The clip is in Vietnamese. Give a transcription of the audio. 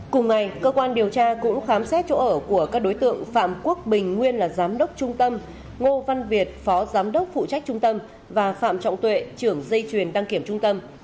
cùng ngày cơ quan điều tra cũng khám xét chỗ ở của các đối tượng phạm quốc bình nguyên là giám đốc trung tâm ngô văn việt phó giám đốc phụ trách trung tâm và phạm trọng tuệ trưởng dây chuyền đăng kiểm trung tâm